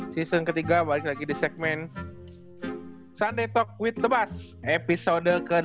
season ketiga balik lagi di segmen sunday talk with the bus episode ke delapan belas